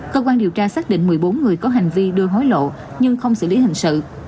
cơ quan điều tra xác định một mươi bốn người có hành vi đưa hối lộ nhưng không xử lý hình sự